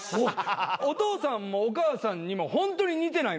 お父さんもお母さんにもホントに似てないので。